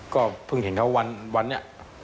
ก็เพิ่งเห็นเขาวันวันเนี่ย